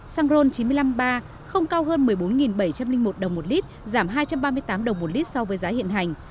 xăng ron chín trăm năm mươi ba không cao hơn một mươi bốn bảy trăm linh một đồng một lít giảm hai trăm ba mươi tám đồng một lít so với giá hiện hành